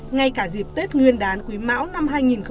ngay cả dịp tết nguyên đán quý mão năm hai nghìn hai mươi